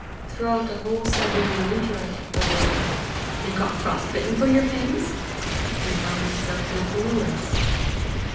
Throughout a whole Siberian winter I kept the rule." "And got frost bitten for your pains?" "And found myself nothing the worse."